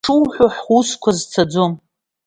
Ишуҳәо ҳусқәа зцаӡом!